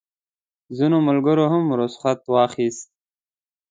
ځینو ملګرو هم رخصت واخیست.